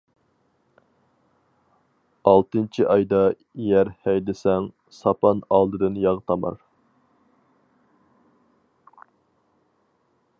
ئالتىنچى ئايدا يەر ھەيدىسەڭ، ساپان ئالدىدىن ياغ تامار.